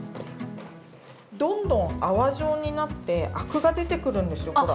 どんどん泡状になってアクが出てくるんですよほら。